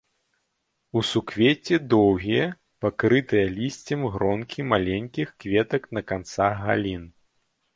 У суквецці доўгія, пакрытыя лісцем гронкі маленькіх кветак на канцах галін.